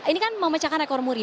ini kan memecahkan rekor muri